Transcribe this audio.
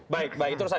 baik baik itu urusan kpu